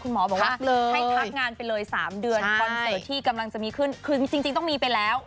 หมอบอกว่าให้พักงานไปเลย๓เดือนคอนเสิร์ตที่กำลังจะมีขึ้นคือจริงต้องมีไปแล้ว